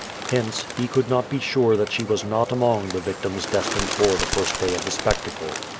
Hence, lie could not be sure that she was not among the victims destined for the first day of the spectacle.